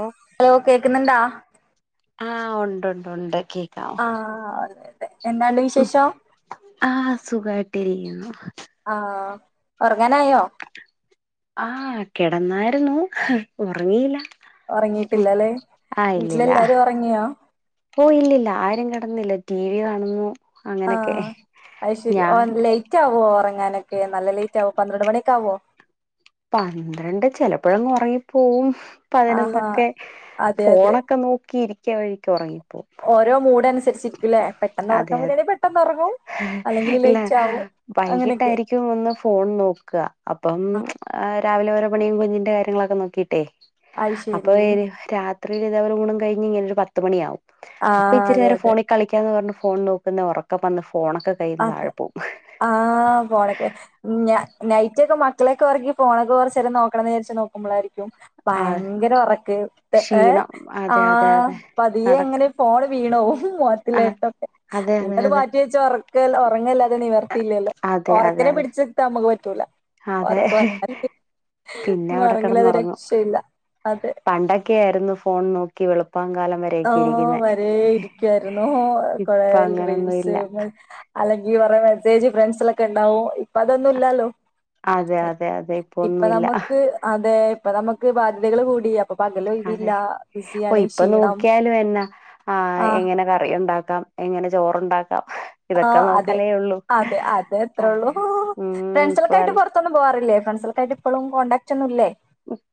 ഓ hello കേക്കുന്നുണ്ടോ ആ ഒണ്ടൊണ്ടൊ ണ്ട് ആ അതെ എന്താണ്ട് വിശേഷം ട്ടിരിക്കുന്നു ആഹ ഉറങ്ങാനായോ ആഹ് കിടന്നായിരുന്നു ഉറങ്ങിയില്ല ഒറങ്ങിട്ടില്ലല്ലേ ആ ഇല്ലില്ല വീട്ടിലെല്ലാരും ഒറങ്ങിയോ ഓ ഇല്ലില്ല ആരും കിടന്നില്ല ീ ടീവി കാണുന്നു അങ്ങനൊക്കെ ആഹ അത് ശരി ഓ ഞാൻ ലേറ്റ് ആവോ ഉറങ്ങ എങ്ങാനൊക്കെ നല്ല ലേറ്റ് ആവോ പന്ത്രണ്ട് മണിയക്കാവോ പന്ത്രണ്ട് ചിലപ്പോഴോന്ന്‌ ഒറങ്ങിപോവും ആഹാ പ്പതിനൊന്നൊക്കെ അതെ അതെ ഫോണൊക്കെ നോക്കി ഇരിക്ക വഴിക്ക് ഉറങ്ങിപ്പോവും ച്ചിരിക്കുവല്ലേ പെട്ടന്ന് അതെ ഉറക്കം അതെ വരുവാണങ്കി പെട്ട ഇല്ല അങ്ങനെയൊക്കെ വൈകിട്ടായിരിക്കും ഒന്ന് ഫോൺ നോക്കുക അപ്പം രാവിലെ വരെ പണിയും കുഞ്ഞിന്റെ കാര്യങ്ങളൊക്കെ നോക്കിയിട്ടെ അത് ശരി അപ്പൊര് രാ ഇത്രയും ലവര് ഊണും കഴിഞ്ഞ്ഒരു പത്ത് മണിയാവും. അപ്പൊ ആഹ് ഇച്ചിരി അതെ നേരം അതെ ഫോണിൽ കളിക്കാന്ന് പറഞ്ഞു ഫോൺ നോക്കുന്ന ഉറക്കെ പോണ് അതെ ആ ഫോണെക്കെ ഞ നൈറ്റ് ഒക്കെ മക്കളക്കെ ഉറങ്ങി ഫോണൊക്കെ കുറച്ച് നേരം നോക്കണന്ന് വിചാരിച്ച് നോക്കണ നേരത്ത് നോക്കുമ്പോളായിരിക്കു ആ ഭയങ്കര ഉറക്ക് ഏ ക്ഷീണം ആ അതെ അതെ അതെ പതിയെ നടക്ക എങ്ങനെ ഫോൺ വീണോ ആ മോത്തിലായിട്ടൊക്കെ അതെ പിന്നെ അതെ അത് അതെ മാറ്റി വെച്ച കേലോ ഉറങ്ങല്ലാതെ നിവർത്തിയില്ലല്ലോ. അതെ അതെ അതെ ഉറക്കിനെ പിടിച്ച് നിർത്താൻ നമ്മുക്ക്പറ്റൂല. അതെ പിന്നെ ഉറക്കവന്നാ അവിടെ ഉറങ്ങില്ല തെ കിടന്നുറങ്ങും രക്ഷയില്ല. അതെ പണ്ടൊക്കെ ആയിരുന്നു ഫോൺ നോക്കി വെ ആ വരെ ഇരിക്കുവായിരുന്നു കൊറേ ഇപ്പൊ അങ്ങനൊന്നും ഇല്ല റീൽസ്അല്ലെങ്കി കുറെ മെസ്സേജ് ഫ്രണ്ട്സിലൊക്കെ ഉണ്ടാവും ഇപ്പ അതൊന്നും ഇല്ലല്ലോ. അതെ അതെ അതെ ഇപ്പൊ ഒന്നുമില്ല നമുക്ക് അതെ ഇപ്പൊ നമുക്ക് ബാധ്യതകൾ കൂടിയ ഇപ്പൊ അതെ പകലൊഴിവില്ല ഓ ബിസിയാണ് ഇപ്പൊ ക്ഷീണം നോക്കിയാലും എന്നാ ആ ആഹ് എങ്ങനെ കറി ഉണ്ടാക്കാം. എങ്ങ ചോറുണ്ടാക്ക ആ അതെ അതെ അതെ എത്രയള്ളൂ അതെ ഉം ഇപ്പൊ ഫ്രണ്ട്സിലൊക്കെ ആയിട്ട് പുറത്തൊന്നും പോവാറില്ലേ ഫ്രണ്ട്സൾക്കായിട്ട് ഇപ്പഴും കോൺടാക്ട് ഒന്നുംല്ലേ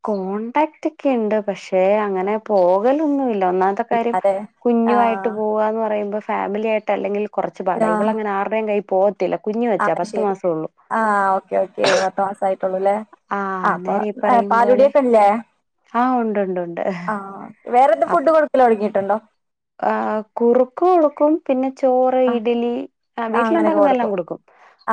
കോടാക്ട് ഒക്കെുണ്ട് പക്ഷെ അങ്ങനെ പോകലൊന്നുംല്ല ഒന്നാമത്തെ കാര്യം കുഞ്ഞു ആയിട്ട് ആഹ് പോവന്ന് പറയുമ്പോ ഫാമിലി ആയിട്ട് അല്ലെങ്കിൽ കുറച്ച് പാടാ ഇവളങ്ങനെ ആരുടെയും ക പോ ആ ശരി ആ ഓക്കെ ഓക്കെ പത്ത് മാസം ആയ ആ അന്നേര പറയുപോലെ പാലുടിയൊക്കെ ഇല്ലേ ആ ഉണ്ട് ഉണ്ട് ആഹ് വേറെന്ത് ഫുഡ് കൊടുക്കല് തുടങ്ങിയിട്ടുണ്ടോ അപ്പംആഹകുറുക്കും കൊടുക്കും പിന്നെ ചോറ്, ഇഡ്ലി ആ അങ്ങനെ കൊടുക്കും.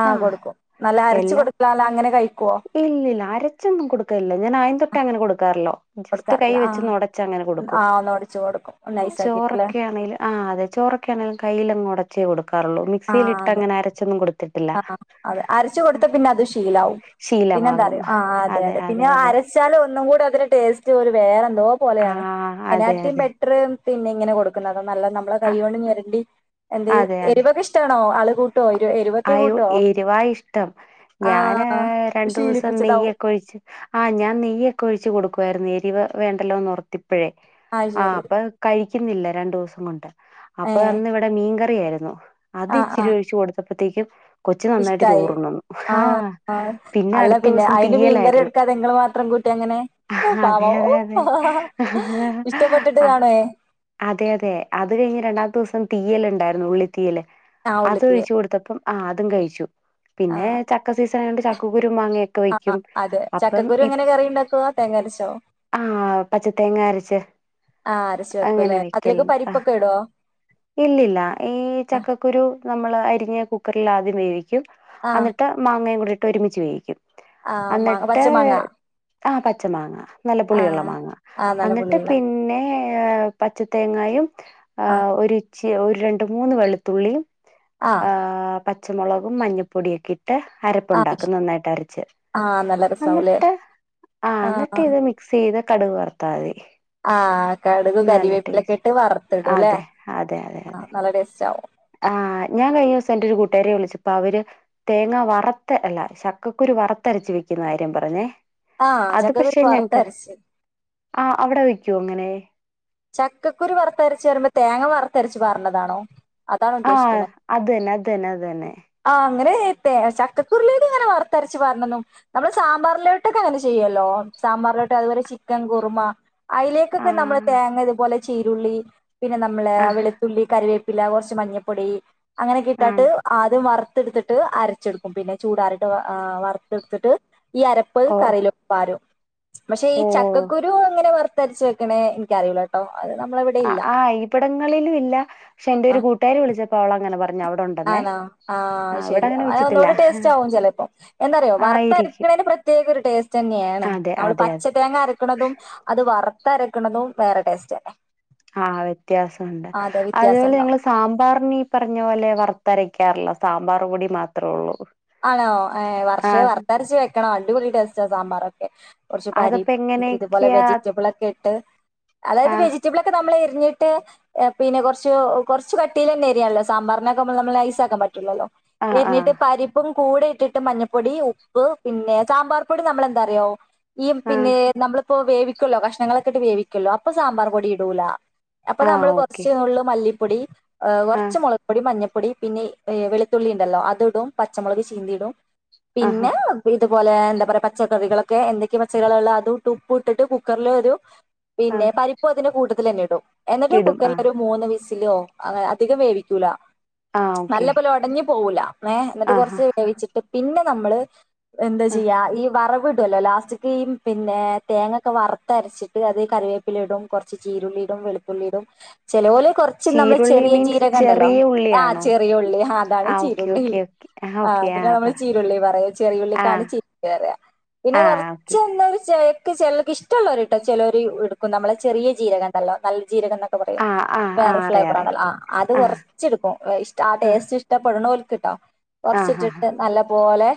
ആ കൊടുക്കും. നല്ല അരച്ച കൊടുക്കലല്ല അങ്ങനെ കഴിക്കുവോ? ഇല്ല അരച്ചൊന്നും കൊടുക്കില്ല ഞൻ ആദ്യം തൊട്ട് അങ്ങനെ കൊടുക്ക തല്ലോ ജസ്റ്റ് കൈ കൊടുക്കാറില്ല ആഹ് വെച്ച് ഉടച്ചങ്ങനെ കൊടുക്കും ആഹ് ഒന്നൊടിച്ചു കൊടുക്കും നൈസാക്കിട്ടില്ലേ ചോറൊക്കെണെങ്കിലും ആ അതെ ചോറൊക്കെ ആണെങ്കിലും കൈയിലെ ഉടച്ചേ കൊടുക്കും റുള്ളു മക്സിൽ ഇട്ട അങ്ങന അരച്ചൊും കൊടു ആ അത അരച്ച് കൊൊടുത്ത പിന്നെ അത് ശീലവും പിന്നെ ശീലമാകും എന്താഅറിയോ ആതെ അതെ പിന്നെ അരച്ചാലൽ ഒന്നും കൂടി അതിന്റെ ടേസ്റ്റ് വേറെ എന്തോ ആ പോലെയാണ് അതെ അതിനാട്ട അതെ ബെറ്റർ പിന്നെ ഇങ്ങനെ കൊടുക്കുന്നത് നല്ലത് നമ്മളെ ആ കൈ കൊണ്ട് ഞരണ്ടി എന്തേ അതെ എരിവൊക്കെഷ്ടണോ ആള് കൂട്ടോ എരു എരു അയോ എരുവായ ഇഷ്ടം ആ ഞാൻ രണ്ടു ദിവസം ശീലിപ്പിച്ചതാവും നെയ്യൊക്കെ ഒഴിച്ച് ആ ഞാൻ നെയ്യൊക്കെ ഒഴിച്ച് കൊടുക്കുായിരുന്നു അതിവ വേണ്ടല്ലോ എന്ന് ഉർത്തി അപ്പഴേ അത് ആ ശരി അപ്പ കഴിക്കുന്നില്ല രണ്ടു ദിവസം കൊണ്ട് ഏ അപ്പൊ അന്ന് ഇവിടെ മീൻ ക എ യിരുന്നു അത് ഇച്ചിരി ഒഴിച്ച് കൊടു അപ്പത്തേക്കും ഇഷ്ടായി ആ ആ അല്ല അടുത്ത പിന്നെ ദിവസം അയിന് മീൻകറി തീയലായിരുന്നു എടുക്കാതെങ്ങൾ മാത്രം കൂട്ടി അങ്ങനെ ആ, പാവ അതെ അതെ അതെ ഇഷ്ടപ്പെട്ടിട്ട് ആ, കാണുവേ അതെ അതെ അത് കഴിഞ്ഞ് രണ്ടാമത്തെ ദിവസം തീയൽുണ്ടായിരുന്നു ഉള്ളി തിയ്യല് ആ ഉള്ളിത്തിയെ അതൊഴിച്ചു കൊടുത്തപ്പം ആ അതും കഴിച്ചു ആ പിന്നെ ചക്കസി ചക്കക്കുരു മാങ്ങയൊക്കെ ആ വെക്കും അതെ അപ്പം ചക്കക്കുരു ഇ എങ്ങനെ കറി ഉണ്ടാക്കുവ തേങ്ങരച്ചോ ആ ആഅരച്ചു എങ്ങനെ വെക്കൽ ഇല്ലില്ല ഈ ചക്കക്കുരു നമ്മൾ അരിഞ്ഞ്കുക്കറിൽ ആദ്യം വേവിക്കും ആഹ് എന്നിട്ട് മാങ്ങയും കൂടി ഒരുമിച്ച് വേവിക്കും ആഹ് മാ അന്നിട്ട് പച്ചമാങ്ങ ആപച്ച മാങ്ങ നല്ല പുളിയുള്ള ആഹ് മാങ്ങ ആഹ് നല്ല അന്നിട്ട് പുളിയുള്ള പിന്നെ പച്ച തേങ്ങായും ആ ആഹ് ഒരു ഒരു രണ്ട് മൂന്ന് വെളുത്തുള്ളി ആഹ് പ പച്ചമുളകും മഞ്ഞപ്പൊടിയൊക്കെ ഇട്ട് ആഹ് അരപ്പുണ്ടാക്കും നന്നായിട്ട് അരച്ച് ആഹ് നല്ല രസാവുംല്ലേ എന്നിട്ട് ആ എന്നിട്ട് ആഹ് ഇത് മിക്സ് ചെയ്ത് കടുക് വർത്താതി ആ കടുക് കരിവേപ്പിലൊക്കെ ഇട്ട് വറുത്തിടുല്ലേ അതെ അതെ അതെ അതെ ആഹ് നല്ല ടേസ്റ്റ് ആകും ആഹ് ഞാൻ കഴിഞ്ഞ ദിവസം എന്റെ ഒരു കൂട്ടുകാരിയെ വിളിച്ചപ്പൊ അവര് തേങ്ങ വറത്ത് അല്ല ചക്കക്കുരു വർത്തരച്ച് വെക്കുന്ന കാര്യം പറഞ്ഞേ ആചക്കകുരു വർത്ത അരച്ച് ആ അവിടെ വക്ക്യോ അങ്ങനെ ചക്കക്കുരു വറുത്തരച്ച് പറയുമ്പോ തേങ്ങ വറുത്തരച്ചു പറഞ്ഞതാണോ ആഅത തന്നെ അത തന്നെ അതന്നെ ആ അങ്ങനെ ചക്കകുരുലേക്ക് അങ്ങനെ വറുത്തരച്ച് പാരണെന്നും നമ്മള് സാമ്പാറിലോട്ടൊക്കെ അങ്ങനെ ചെയ്യുവല്ലോ സാമ്പാറിലോട്ട് അതുപോലെ ചിക്കൻ കുറുമാ അയിലേക്കൊക്കെ ആഹ് നമ്മള് തേങ്ങ ഇതുപോലെ ചീരുള്ളി പിന്നെ നമ്മള് ആഹ് വെളുത്തുള്ളി കറിവേപ്പ പി കൊറച്ച് മഞ്ഞപ്പൊടി അങ്ങനെ കിട്ടാട്ട് ആണ് ആ വറുത്തെടുത്തിട്ട് അരച്ചെടുക്കും പിന്നെ ചൂടാറിട്ട് വറുത്തെടുത്തിട്ട് ഈ അരപ്പ് ഓ കറിയിലോട്ട് പാരും പക്ഷെ ഈ ഓ ചക്കകുരു അങ്ങനെ വ രച്ച് വെക്കണേ എനിക്കറിയൂലട്ടോ അ ആഹ് ഈപ്പ്ടങ്ങളില് ഇല്ല. ക്ഷെ എന്റെ ഒരു കൂട്ടാരി വിളിച്ചപ്പ അവള് അങ്ങനെ പറ ആണോ ആഹ് ശെരി അങ്ങനെ അ വെച്ചിട്ടില്ല ഒന്നുകൂടി ടേസ്റ്റ്ആകും ചെലപ്പോ. എന്താറിയോ ആയിരിക്കും വറുത്തരക്കണയിന് പ്രത്യേക ഒരു ടേസ്റ്റ് ന്നേണ്. അതെ അള് അതെ പച്ച അതെ തേങ്ങ അരക്കുണതും അത് വറ ത്തരക്ക്‌ണതും വേറെ ടേസ്റ്റെന്നെ ആ വ്യത്യാസണ്ട്. വ്യത്യാസം അതുപോലെ ഉണ്ടാവും ഞങ്ങള് സാമ്പാറിന് ഈ പറഞ്ഞ പോലെ വർ ത്തരയ്ക്കാറില്ല സാമ്പാർ പൊടി മാത്രേ ഒള്ളൂ ആണോ ഏ വർഷേ വർത്തരച്ച് വെക്കണോ അടിപൊളിടേസ് റ്റാ സാമ്പാറൊക്കെ കുറച്ച് അതപ്പോ പരിപ്പ് ഇതുപോലെ എങ്ങനെയൊക്കെയാ വെജിറ്റബിൾ ഒക്കെ ഇട്ട് അതായത് ആ വെജിറ്റബിൾ ഒക്കെ നമ്മളെ ഞ്ഞിട്ട് പിന്നെ കൊർച്ച് കൊർച്ച് കട്ടീലെന്നെരിയാള്ളെ സാമ്പാർനൊക്കെ മ്മള് മ്മള് നൈസാക്കാൻ പറ്റൂല്ലല്ലോ ആ ആ എര്ഞ്ഞിട്ട് പരി കൂടെ ഇട്ടിട്ട് മഞ്ഞപ്പൊടി ഉപ്പ് പിന്നെ സാമ്പാർ പൊടി നമ്മളെന്താറിയോ ഈ ആ പിന്നേ നമ്മള് പ്പൊ വേവിക്കല്ലോ കഷ്ണങ്ങളൊക്കെട്ട് വേവിക്കല്ലോ അപ്പൊ സാമ്പാർ പൊടി ഇടൂല. അപ്പൊ ആ നമ്മള് ഓക്കെ കുറച്ച നുള്ള് മല്ലി പൊടി ആ കൊർച്ച് മുളക്പൊടി, മഞ്ഞപൊ പൊടി, പിന്നെ വെളത്തുള്ളി ണ്ടല്ലോ അത്ടും. പച്ചമുളക് ചീന്തിടും. ആഹാ പിന്നേ ഇത് പോലെ എന്താ പറയാ പച്ചക്കറികളൊക്കെ എന്തൊക്കെ പച്ചറികളാ ള്ളത് അതൂട്ട് ഉപ്പൂട്ട്ട്ട് കുക്കറിലൊരു ആ പിന്നെ പരിപ്പും അതിൻ്റെ കൂട്ട ത്തിലെന്നെ ടും എന്നിട്ട് ഇടും ആ കുക്കറിൽ ഒരു മൂന്ന് വീസ് ലോ ആ അധികം വേവിക്കൂല ആ നല്ല ഓക്കെ പോലെ ഒടഞ് പോവൂല ഏഹ് ആഹാ കൊർച്ച് വേവിച്ചിട്ട് പിന്നെ നമ്മള് എന്താ ആ ആ ചെയ്യാ ഈ വറവി ടുവല്ലോ ലാസ്റ്റ്ക്കീ പിന്നേ തേങ്ങൊക്കെ വറത്തരച്ചിട്ട് അതീ കറിവേപ്പിലിടും കൊറച്ചു ച്ചീരുള്ളിടും വെളുത്തുള്ളിടും ചെലോല് കൊറച്ച് നമ്മള് ചീരുള്ളി ചെറിയ മീൻസ് ചീരകണ്ടല്ലോ ചെറിയ ആ ഉള്ളിയാണോ ചെറിയ ഉള്ളി അതാണ് ആ ഓക്കെ ചീരുളളി. ഓക്കെ ഓക്കെ ആ ഓക്കെ അതിനാ നമ്മള് പറ ചീരുള്ളി പറയാ ആ ചെറിയുള്ളിക്കാണ് ചീരുള്ളി പറയാ പിന്നെ ആ ഓക്കെ കൊറച്ചൊന്ന് [unintelligible] ചെലർക്ക് ഇഷ്ടള്ളോര്ട്ടോ ചെലോര് ഇടുക്കും നമ്മളെ ചെറിയ ജീരകണ്ടല്ലോ നല്ല ജീരകന്നൊക്കെ പറയും ആഹ് ആഹ് വേറെ ആഹ് അറിയാം അറിയാം ഫ്ലേവറാണല്ലോ ആ അത് കൊറച്ചെടുക്കും ഇഷ്ടാ ആ ടേസ്റ്റ് ഇഷ്ടപ്പെടണോൽ ക്ക്‌ ട്ടോ. ആഹ് ആഹ് ആഹ് കൊറച്ചിട്ടിട്ട് നല്ല പോലെ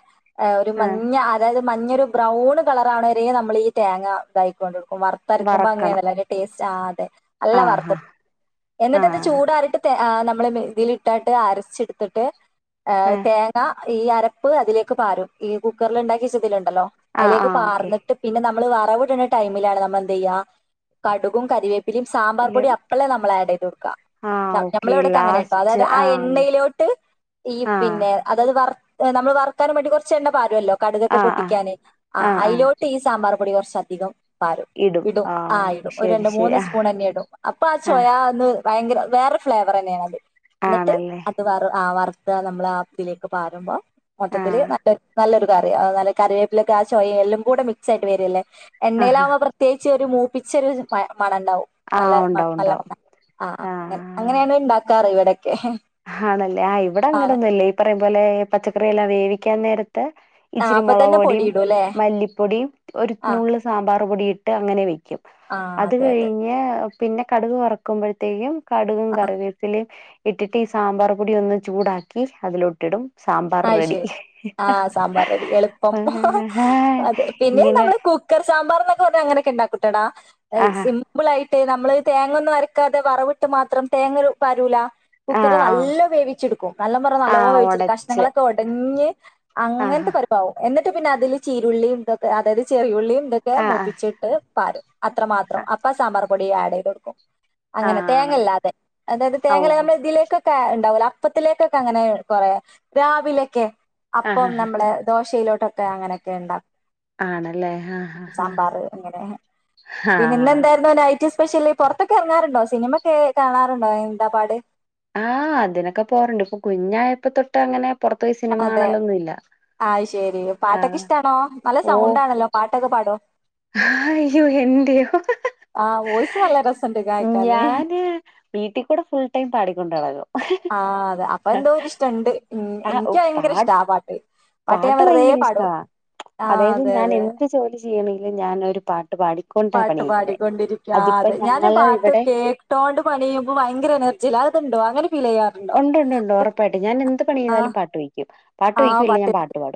ആ ഒരു ആഹ് ആഹ് മഞ്ഞ അതായത് മഞ്ഞൊരു ബ്രൗൺ കളറാവണവരേ നമ്മൾ ഈ തേങ്ങ ഇതായിക്കൊണ്ട് വറത്തരക്കുമ്പോ വറക്കണം അങ്ങനെയാണല്ലോ അയിൻ്റെ ടേ സ്റ്റ് ആ അതെ. നല്ല വറുത്ത് ആഹ് എന്നിട്ടത് ആഹ് ആഹ് ചൂടാറിട്ട് തേ ആ ന മ്മളെ മി ഇതിലിട്ടാട്ട് അരച്ചെടുത്തിട്ട് ഏഹ് തേങ്ങ ഈ അരപ്പ് അതിലേക്ക് പാരും ഈ കുക്കർല് ഇണ്ടാക്ക്യച്ചത് ല്ലോ ആഹ് അയിലേക്ക് ആഹ് ഓക്കെ പാർന്നിട്ട് പിന്നെ നമ് നമ്മള് വറവിട്ണ ടൈമിലാണ് നമ്മളെന്തെയ്യ കടുകും കരിവേപ് പിന്നിം സാമ്പാർ പിന്നെ പൊടി അപ്പളേ നമ്മളേഡയ്തൊട്ക്ക ആഹ് ഞ ഓക്കെ ഞമ്മളിവടക്കെ അങ്ങനെ ട്ടോ ലാസ്റ്റ് അതായത് ആ ആഹ് എണ്ണയിലോട്ട് ഈ ആഹ് പിന്നെ അതത് വർ നമ്മള് വർക്കാനും വേണ്ടി കൊർച്ച് എണ്ണ പാരൊല്ലോ കടുകൊക്കെ ആഹ് ആഹ് പൊട്ടിക്കാന് ആ ആഹ് ആഹ് അയിലോട്ട് ഈ സമ്പർ പൊടി കൊർച്ചധികം പാരും ഇടും ആ ആഹ് ഇടും ഒരു ശരി രണ്ട് ശരി മൂന്ന് ആഹ് സ്പൂണന്നെ ഇടും അപ്പൊ ആ ആഹ് ചൊയാ ന്ന് ഭയ്‌ങ്കര വേറെ ഫ്ലേവറന്യാണത് എന്നിട്ട് ആണല്ലേ അത് വറ് ആ വർ താ നമ് പ്ലാകിലേക്കു പാരുമ്പം ഓട്ടത്തില് ആഹ് നല്ല നല്ലൊരു കറി അവനല്ല കറിവേപ്പിലൊക്കെ ആ ചൊയിം എല്ലും കൂടെ മിക്സ് ആയിട്ട് വരല്ലേ ആഹ് എണ്ണയിലാവുമ്പോ പ്രത്യേകിച്ച് ഒരു മൂ [unintelligible] മണഇണ്ടാവും നല്ല ആഹ് ഉണ്ടാവും നല്ല ഉണ്ടാവും മ ആ അങ്ങനെ ആഹ് അങ്ങനെയാണ് ഇണ്ടാക്കാറ് ഇവിടെ ആണല്ലേ ആ ഇവിടെ അങ്ങനെന്നൂല്ലേ ഈ പറയും പോലെ പച്ചക്കറിയെല്ലാം വേവിക്കാൻ നേര ത്ത് ആ, ഇച്ചിരി അപ്പൊ മുളക് തന്നെ പൊടിയും പൊടിയിടും അല്ലേ മല്ലിപ്പൊടിയും ഒരു ആ നുള്ള് സാമ്പാർ പൊടിയും ഇ ട്ട് അങ്ങനെ വെയ് ആ അത് അതെ അതെ കഴിഞ്ഞ പിന്നെ കടുക് കുറക്കുമ്പോഴത്തേക്കും കടുകും ആ കറിവീത്തിലയും ഇട്ടിട്ട് ഈ സാമ്പാർ പൊടി ഒന്ന് ചൂടാക്കി അതിലൊട്ടിടും അ ശരി ആ സാമ്പാർറെഡി എളുപ്പം ആഹ്. അതെ പിന്നെ ഇങ്ങനെ നമ്മള് കുക്കർ സാമ്പാർ അ അങ്ങനെണ്ടാക്കും ട ആഹാ സിമ്പിൾ ആയിട്ട് ട് നമ്മള് തേങ്ങൊന്നും വരക്കാതെ വറവിട്ട് മാത്രം തേങ്ങ വരൂല കുക്കറെ ആഹ് ആഹ് നല്ലോ വേവിച്ചെടുക്കും നല്ല മറ നല്ലോ ആഹ് വേവിച്ചെടുക്കാം ഒടച്ച് ങ്ങളൊക്കെ ഒടഞ്ഞ് ആഹാ അങ്ങനത്തെ പരുവാവും എന്നി ട്ട് പിന്നെ അതില് ചീരുള്ളിയും ഇട്ടിട്ട് അതായത് ചെറിയുള്ളിയും ഇതൊക്കെ ആഹ് ആഹ് മൂപ്പിച്ചിട്ട് പാറും അത്രമാത്രം അപ്പ സാമ്പാറ് പൊടി ആട് ചെയ്തുകൊടുക്കും ആഹ് അങ്ങനെ ആണ് തേങ്ങയില്ലാതെ അതായത് ഓ തേങ്ങയില്ലാതെ നമ്മൾ ഇതിലേക്ക് ട്ട് ഉണ്ടാവൂല അപ്പത്തിലേക്കൊക്കെ അങ്ങനെ കൊറേ രാവിലെക്കെ അപ്പം ആഹാ നമ്മള് ദോശ [unintelligible] ലോട്ടൊക്കെ അങ്ങനൊക്കെ ഉണ്ട ആണല്ലേ? ആഹ് ആഹ് ആഹ് സാമ്പാറ് അങ്ങനെ പിന്നെ ഇന്ന് ആഹ്. എന്തായിരുന്നു നൈറ്റ്‌ സ് സ്പെഷ്യലി പുറത്തൊക്കെ ഇറങ്ങാറുണ്ടോ സിനിമക്കെ കാണാറുണ്ടോ എന്താ പാട് ആഹ്‌ അതിനൊക്കെ പോകാറുണ്ട് ഇപ്പൊ കുഞ്ഞായപ്പതൊട്ട് അങ്ങനെ പുറത്ത് പോയി സിനിമ അതെ കാണലൊന്നുല്ല. അയ്ശെരി പാട്ടൊക്കെ ആഹ് ഇഷ്ടാണോ നല്ല സൗണ്ടാണല്ലോ പാ ട്ടൊക്കെ പാടോ ഹയ്യോ എന്റെയോ ഹ ഹ ആഹ് വോയിസ് ഹാ നല്ല രസണ്ട് കേക്കാന് ഞാന് വീട്ടിൽകൂടെ ഫുൾടൈം പാടിക്കൊണ്ടടക്കും അഹ്ആ അതെ അപ്പൊ എന്തോരിഷ്ടണ്ട് മ് ആഹ് എനിക്ക് പാ ഭയങ്കര ഇഷ്ടാ ആ പാട്ട് ഞാൻ പാട്ട് വെറുതെ ഭയങ്കര പാടും ഇഷ്ടമാ ആഹ് അതായത് അതെ ഞാൻ അതെ എന്ത് ജോലി ചെയ് ങ്കിൽ ഞാനൊരു പാ പാട്ട് അതിപ്പോ പാടിക്കൊണ്ടിരിക്കാതെ ഞാന് ഞങ്ങള് പാട്ട് ഇവിടെ കേട്ടോണ്ട് പണിയുമ്പോ ഭയങ്കര എനർജില അത്ണ്ടോ അങ്ങിനെ ഉണ്ട് ഉണ്ട് ഉണ്ട് ഉറപ്പായിട്ട് ഞാൻ എന്ത് പണിചെയ്താലും പാട്ട് വെയ്ക്കും ആഹ്‌ആ പാട്ട്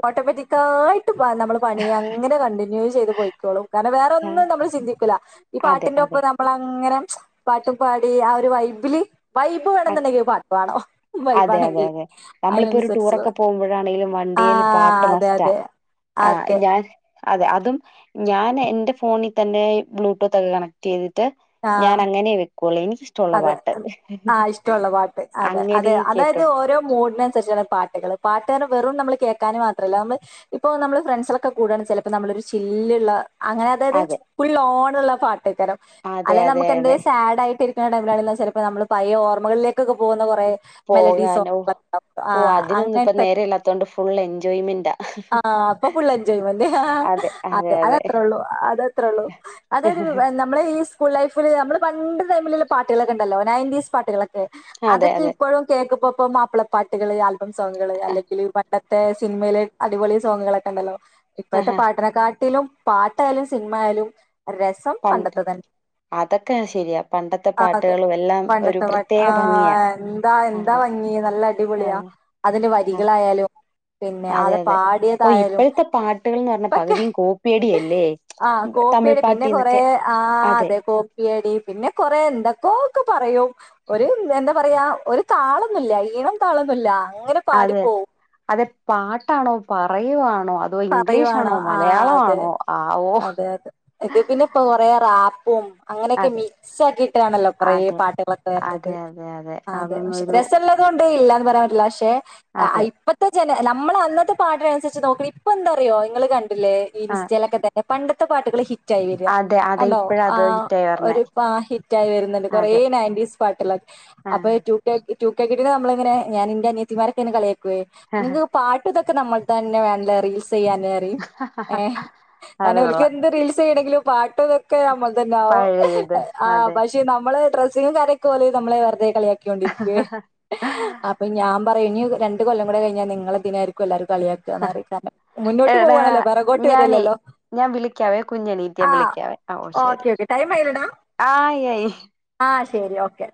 ഓട്ടോമാറ്റിക്കായിട്ട് നമ്മൾ പണി അങ്ങനെ കണ്ടിന്യൂ ചെയ്ത് പോയ്ക്കോളും കാരണം ആ, വേറൊന്നും നമ്മൾ ചിന്തിക്കൂല്ല ഈ അതെ അതെ പാട്ടിന്റൊപ്പം നമ്മളങ്ങനെ പാട്ടും പാടി ആ ഒരു വൈബിലി വൈബ് വേണെന്നുണ്ടെങ്കി പാട്ട് വേണം അതെ വൈബാണെങ്കിൽ അയിനനുസരിച്ചുള്ള താണെങ്കിലും വണ്ടിയേൽ പാട്ട് മസ്റ്റാ ആഹ് അതെ ഞാൻ അതെ അതും ഞാൻ എന്റെ ഫോണിതന്നെ ബ്ലൂടൂത്തൊക്കെ കണക്ട് ചെയ് ട്ട് ആഹ് ഞാൻ അങ്ങനെ വെക്കുള്ള് എനിക്കിഷ് ട്ടൊള്ള പാട്ട് ടുള്ള പാട്ട് അതെ അതെ അങ്ങനെ അതായത് കേട്ടുണ്ട് ഓരോ മൂഡിനൻസരിചുള്ള പാട്ടുകള് പാട്ട്ന്നെ വെറും നമ്മള് കേൾക്കാന് മാത്രമല്ല നമ്മള് ഇപ്പൊ നമ്മള് ഫ്രണ്ട്സ്കളൊക്കെ കൂടാണ് ചിലപ്പോ നമ്മളൊരു ചില്ലുള്ള അങ്ങനെ അതായത് അതെ ഫുൾഓ [unintelligible] പാട്ട് അതെ അല്ലെ അതെ നമുക്കെന്ത് അതെ സാഡ് ആയിട്ട് ടമിലാണ ചെലപ്പോ നമ്മള് പയേ ഓർമ്മകളിലേ പോകുന്ന കൊറെ മെലഡി പോകാനോ ഓ സോങ് ആ ഓ അതിനൊന്നും ഇപ്പ അങ്ങൻത്തൊക്കെ നേരല്ലാത്തോണ്ട് ഫുൾ എൻജോയ്മെന്റാ അ ആ അപ്പൊ ഫുൾ എൻജോയ്മെന്റ് അതെ അതെ അത് അതെ അതത്രേയുള്ളു [unintelligible] സ്കൂൾ ലൈഫില് നമ്മള് പണ്ട് ടൈമില് പാട്ടുകളക്കെ ഉണ്ടല്ലോ നയൻ്റീസ് പാട്ടുകള അതെ അതൊക്കെ അതെ ഇപ്പോഴും കേൾക്കുമ്പോ ഇപ്പം മാപ്പിളപ്പാട്ടുകള് ആൽ സോങ്ങ്കള് അല്ലെങ്കിൽ പ തെ സിനിമയിലെ അടിപൊളി സോങ്ങുകളൊക്കെ ഉണ്ടല്ലോ ഇപ്പഴത്തെ ആഹാ പാട്ട്നെക്കാട്ടിലും പാട്ടായാലും സിനിമ ആയാലും രസം പണ്ട് പണ്ടത്തെ അതൊക്കെ ശരിയാ പണ്ടത് ആ അതെ പണ്ടത്തെ ആ ഭംഗിയാ എന്താ എന്താ അതെ ഭംഗി നല്ല അതെ അടിപൊളിയാ അതിന്റെ ആ വരികളായാലും പിന്നെ അതെ അത് അതെ ഓ ഇപ്പോഴത്തെ പാട്ടുകൾന്ന് പറഞ്ഞ പാടിയതായാലുംക്കെ പകുതിയും കോപ്പിയടിയല്ലേ ആ തമിഴ് കോപ്പിയടി പിന്നെ കൊറെ പാട്ടീന്നൊക്കെ ആ അതെ കോപ്പിയടി പിന്നെ പറയാ എന്തൊക്കോ ഒക്കെ പറയും ഒരു എന്താ പറയാ ഒരു താളൊന്നുമില്ല ഈണം താളൊന്നുല്ല അങ്ങനെ പാടി അതെ പോവും അതെ പാ ട്ടാണോ പറയുവാ പറയുവാണോ ആ അതെ ആ ഓ അതെ അതെ ഇത് പിന്നെ ഇപ്പൊ കൊറേ റാ പ്പും അങ്ങനെയൊക്കെ അതെ മിക്സ് ആക്കിയിട്ടാണല്ലോ കൊറേ അതെ പാട്ടുകളൊക്കെ വരുന്നത്. അതെ അതെ അതെ പക്ഷെ അതൊന്നൊരു രസള്ളതുണ്ട് ഇല്ല വരാറല്ലേ പക്ഷെ ആ അതെ ഇപ്പത്ത നമ്മള അന്നത്തെ പാട്ടിനനുസരിച്ച് നോക്കി ഇപ്പ എന്താറിയോ നിങ്ങൾ കണ്ട ആ ഇൻസ്റ്റലൊക്കെ തന്നെ പണ്ട പ്പത്തെ പാട്ടുകള് ഹി വര അതെ അതെ കണ്ടോ ഇപ്പഴ ആ അത് ഹിറ്റായി വരണേ ഒരു ഹിറ്റ് ആയി വരുന്നുണ്ട് കൊറേ അതെ നയൻന്റിസ് പാട്ടുകൾ ആ അപ്പൊ റ്റു കെ കി റ്റു കെ കിഡ് നമ്മളങ്ങെനെ ഞാന് ന്റെ അനിയത്തിമാരൊക്കെ ഇന്നെ കളിയ നിങ്കോക്ക പാട ഇതൊക്കെ നമ്മൾ തന്നെ വേണ്ട റീ [unintelligible] ഏ അത് ഓല്ക് കൊള്ളാം എന്ത് റീല് എന്തെയിണങ്കിലും പാ നമ്മൾ തന്നെ ആകും. പഴയത് ആ അതെ പക്ഷെ നമ്മള് ഡ്ര [unintelligible] കാര്യൊക്കെ ഓല് നമ്മളെ വെറ്തെ കളിയാക്യോണ്ടിരുകേ അപ്പം ഞാം പറയും ഞ് രണ്ട് കൊല്ലംകൂടെ കഴിഞ്ഞ നിങ്ങളെ ഇതിനായിരിക്കു എല്ലാരു കളിയാകാ ന്നറിം കാര്നെ എടാ ഞാന് ഞാ വിളിക്കാവേ കുഞ്ഞെണീറ്റ് അ ആ വിളിക്കാവേ അ ഒ ശരി ഓക്കെ ഓക്കെ ടൈം ആയില്ലടാ ആയ് യെയ് ആ ശരി ഓക്കെ